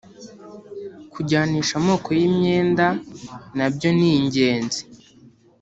Kujyanisha amoko y’ imyenda na byo ni ingenzi